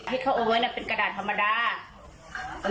ให้เขาเอาไว้เป็นกระดาษธรรมดา